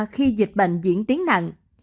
khi dịch bệnh diễn tiến nặng